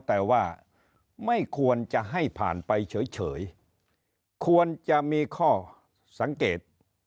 แต่ว่าไม่ควรจะให้ผ่านไปเฉยควรจะมีข้อสังเกต